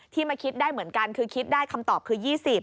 มาคิดได้เหมือนกันคือคิดได้คำตอบคือ๒๐